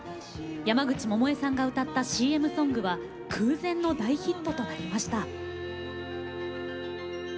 山口百恵さんが歌ったＣＭソングは空前の大ヒットとなりました。